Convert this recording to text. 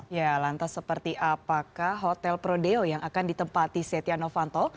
ya lantas seperti apakah hotel prodeo yang akan ditempati setia novanto